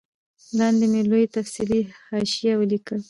لاندي مي لوی تفصیلي حاشیه ولیکل